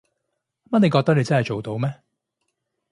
乜你覺得你真係做到咩？